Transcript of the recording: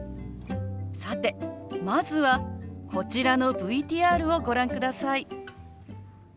さてまずはこちらのＶＴＲをご覧ください。